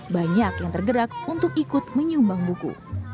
banyak yang tergerak untuk ikut menyumbang buku